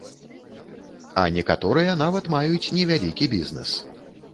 А некаторыя нават маюць невялікі бізнэс.